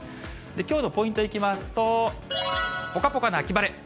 きょうのポイントいきますと、ぽかぽかな秋晴れ。